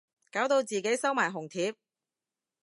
搞到自己收埋紅帖